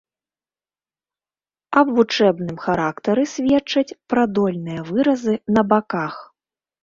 Аб вучэбным характары сведчаць прадольныя выразы на баках.